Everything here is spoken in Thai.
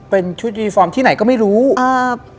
เป็นชุดยูฟอร์มที่ไหนก็ไม่รู้ครับ